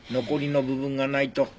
残りの部分がないと。